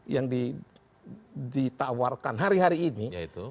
yang ditawarkan hari hari ini